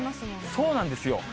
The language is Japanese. そうなんですよ。